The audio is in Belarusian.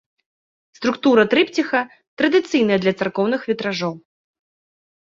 Структура трыпціха традыцыйная для царкоўных вітражоў.